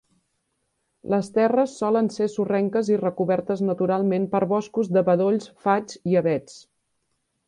Les terres solen ser sorrenques i recobertes naturalment per boscos de bedolls, faigs i avets.